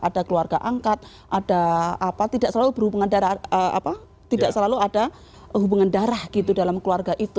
ada keluarga angkat tidak selalu berhubungan darah gitu dalam keluarga itu